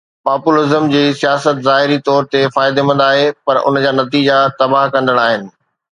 Populism جي سياست ظاهري طور تي فائديمند آهي پر ان جا نتيجا تباهه ڪندڙ آهن.